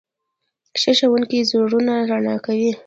ښه ښوونکی زړونه رڼا کوي.